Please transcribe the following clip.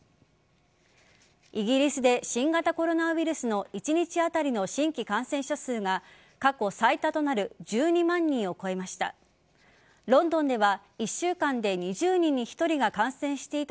イギリスで新型コロナウイルスの一日当たりの新規感染者数が過去最多となる１２万人を超えました。